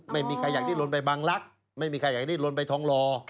ไม่มีใครอยากได้ลนไปบางลักษณ์ไม่มีใครอยากดิ้นลนไปทองลอ